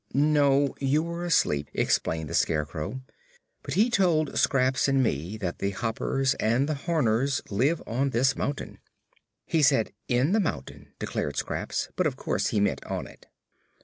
"No; you were asleep," explained the Scarecrow. "But he told Scraps and me that the Hoppers and the Horners live on this mountain." "He said in the mountain," declared Scraps; "but of course he meant on it."